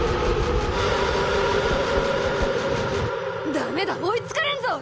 ダメだ追い付かれんぞ！